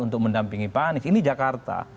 untuk mendampingi pak anies ini jakarta